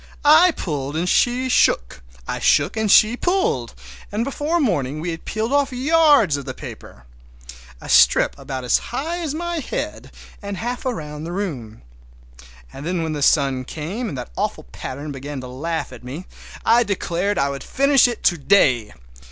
I pulled and she shook, I shook and she pulled, and before morning we had peeled off yards of that paper. A strip about as high as my head and half around the room. And then when the sun came and that awful pattern began to laugh at me I declared I would finish it to day!